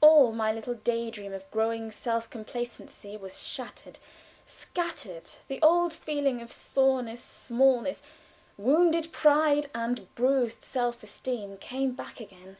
All my little day dream of growing self complacency was shattered, scattered; the old feeling of soreness, smallness, wounded pride, and bruised self esteem came back again.